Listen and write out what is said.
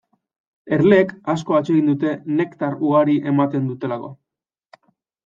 Erleek asko atsegin dute nektar ugari ematen duelako.